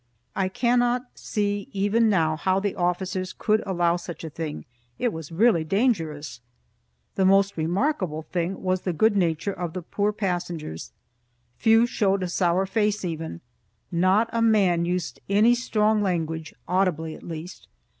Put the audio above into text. I cannot see even now how the officers could allow such a thing; it was really dangerous. The most remarkable thing was the good nature of the poor passengers. Few showed a sour face even; not a man used any strong language (audibly, at least).